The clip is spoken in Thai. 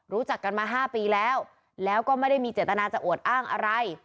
รู้จักกันมา๕ปีแล้วแล้วก็ไม่ได้มีเจตนาจะอวดอ้างอะไร